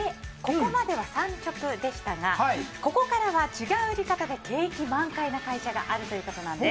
ここまでは、産直でしたがここからは違う売り方で景気満開な会社があるということです。